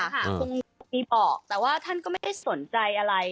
คุณกิมบอกแต่ว่าท่านก็ไม่ได้สนใจอะไร